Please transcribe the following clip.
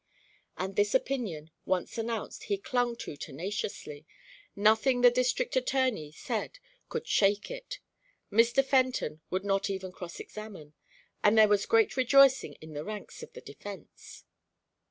And this opinion, once announced, he clung to tenaciously nothing the District Attorney said could shake it. Mr. Fenton would not even cross examine, and there was great rejoicing in the ranks of the defense.